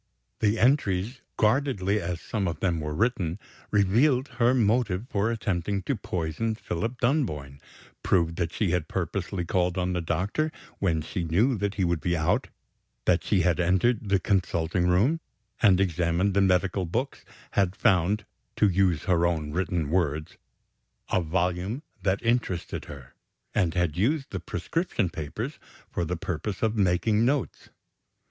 The entries, guardedly as some of them were written, revealed her motive for attempting to poison Philip Dunboyne; proved that she had purposely called on the doctor when she knew that he would be out, that she had entered the consulting room, and examined the medical books, had found (to use her own written words) "a volume that interested her," and had used the prescription papers for the purpose of making notes.